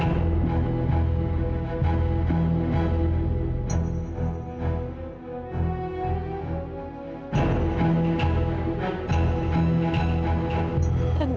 itu sudah tidak ada artinya lagi buat kamila